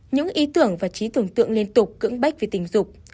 những ý tưởng và trí tưởng tượng liên tục cưỡng bách về tình dục